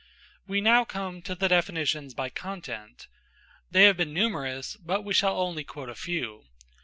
We now come to the definitions by content. They have been numerous, but we shall only quote a few.